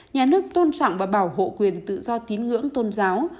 nhà nước tôn trọng và bảo hộ quyền tự do tín ngưỡng tôn giáo